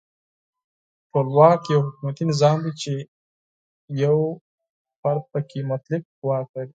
ټولواک یو حکومتي نظام دی چې یو فرد پکې مطلق واک لري.